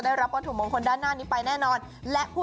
เกิดวันอังคารที่๗กันยายน๒๕๒๕นะคะ